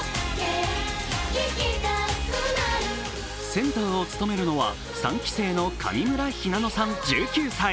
センターを務めるのは三期生の上村ひなのさん１９歳。